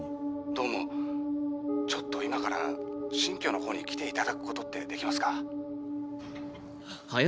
どうもちょっと今から新居のほうに来ていただくことってできますか？